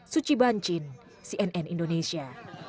suci bancin cnn indonesia